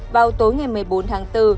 vào tối ngày một mươi bốn tháng bốn